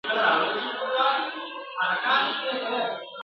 ځکه وايي « چي خپل عیب د ولي منځ دی !.